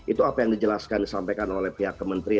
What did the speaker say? itu apa yang dijelaskan disampaikan oleh pihak kementerian